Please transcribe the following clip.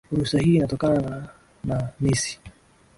furusa hii inatokana na na nisi